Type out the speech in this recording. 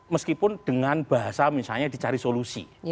meskipun dengan bahasa misalnya dicari solusi